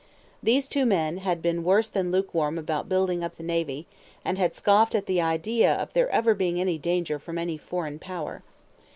These two men had been worse than lukewarm about building up the navy, and had scoffed at the idea of there ever being any danger from any foreign power.